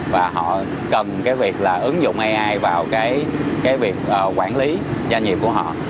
và họ cần cái việc là ứng dụng ai vào cái việc quản lý doanh nghiệp của họ